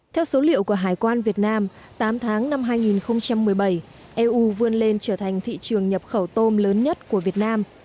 theo số liệu của hải quan việt nam tám tháng năm hai nghìn một mươi bảy eu vươn lên trở thành thị trường nhập khẩu tôm lớn nhất của việt nam